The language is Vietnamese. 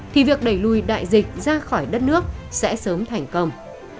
thì việc đẩy lùi đại dịch ra khỏi đất nước sẽ sớm thành công